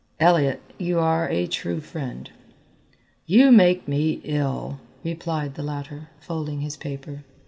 "Elliott, you are a true friend " "You make me ill," replied the latter, folding his paper.